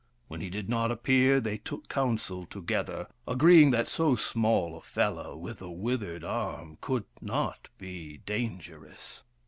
When he did not appear they took counsel together, agreeing that so small a fellow, with a withered arm, could not be dangerous.